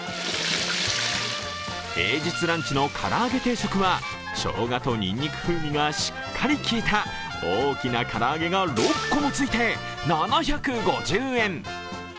平日ランチのから揚げ定食はしょうがとにんにく風味がしっかりきいた、大きな唐揚げが６個もついて７５０円。